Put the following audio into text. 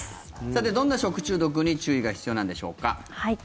さて、どんな食中毒に注意が必要なんでしょうか。